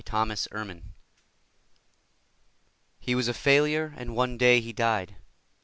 COMPASSION HE was a failure, and one day he died.